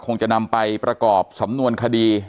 คงจะนำไปประกอบสำนวนคดี